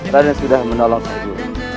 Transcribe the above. raden sudah menolong syekh guru